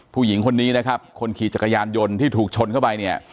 ผู้หญิงคนนี้นะครับคนขี่จักรยานยนต์ที่ถูกชนเข้าไปเนี่ย